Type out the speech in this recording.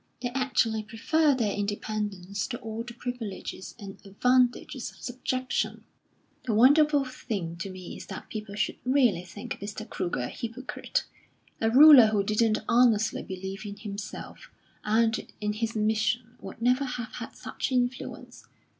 "They actually prefer their independence to all the privileges and advantages of subjection.... The wonderful thing to me is that people should really think Mr. Kruger a hypocrite. A ruler who didn't honestly believe in himself and in his mission would never have had such influence.